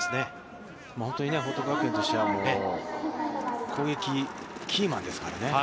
本当に報徳学園としては攻撃、キーマンですからね。